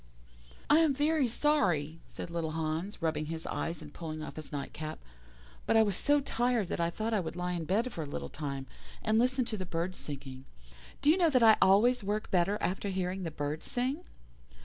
"'I am very sorry,' said little Hans, rubbing his eyes and pulling off his night cap, 'but I was so tired that I thought I would lie in bed for a little time, and listen to the birds singing. Do you know that I always work better after hearing the birds sing?